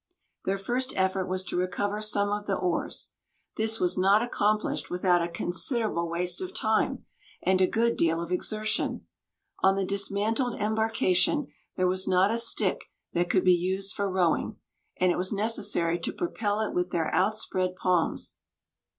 Their first effort was to recover some of the oars. This was not accomplished without a considerable waste of time and a good deal of exertion. On the dismantled embarkation there was not a stick that could be used for rowing; and it was necessary to propel it with their outspread palms.